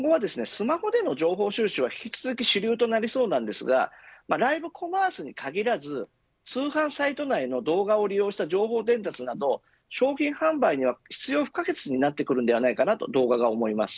スマホでの情報収集は引き続き主流となりそうなんですがライブコマースに限らず通販サイト内の動画を利用した情報伝達など商品販売に必要不可欠になっていくんじゃないかと動画が思います。